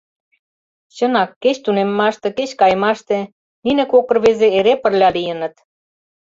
Чынак, кеч тунеммаште, кеч кайымаште нине кок рвезе эре пырля лийыныт.